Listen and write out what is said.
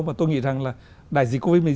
và tôi nghĩ rằng là đại dịch covid một mươi chín